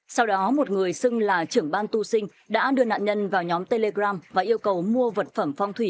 sau đó một người xưng là trưởng ban tu sinh đã đưa nạn nhân vào nhóm telegram và yêu cầu mua vật phẩm phong thủy